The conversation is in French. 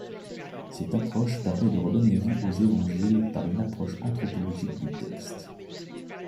Cette approche permet de redonner vie aux Évangiles par une approche anthropologique du texte.